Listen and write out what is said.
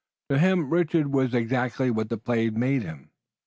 To him Richard was exactly what the play made him.